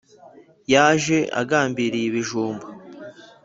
Yaje igambiriye ibijumba